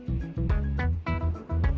ya ini salah aku